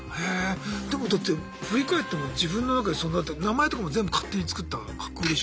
でもだって振り返っても自分の中にそんなだって名前とかも全部勝手に作った架空でしょ？